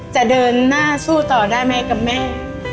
จะเดินหน้าสู้ต่อได้ไหมกับแม่